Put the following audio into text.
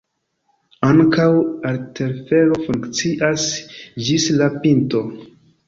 Ankaŭ aertelfero funkcias ĝis la pinto.